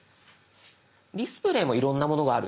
「ディスプレイ」もいろんなものがあるんです。